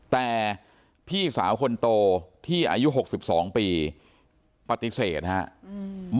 แต่พี่สาวคนโตที่อายุหกสิบสองปีปฏิเสธนะครับ